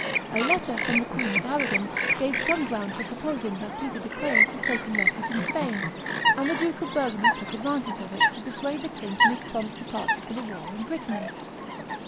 A letter from the Queen of Arragon gave some ground for supposing that Peter de Craon had taken refuge in Spain; and the Duke of Burgundy took advantage of it to dissuade the king from his prompt departure for the war in Brittany.